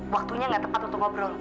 waktunya gak tepat untuk ngobrol